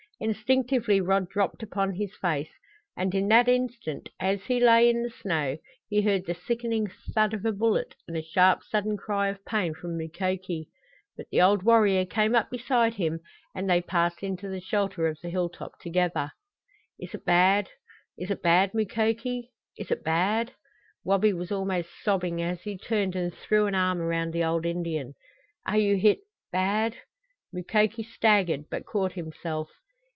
Instinctively Rod dropped upon his face. And in that instant, as he lay in the snow, he heard the sickening thud of a bullet and a sharp sudden cry of pain from Mukoki. But the old warrior came up beside him and they passed into the shelter of the hilltop together. "Is it bad? Is it bad, Mukoki? Is it bad " Wabi was almost sobbing as he turned and threw an arm around the old Indian. "Are you hit bad?" Mukoki staggered, but caught himself.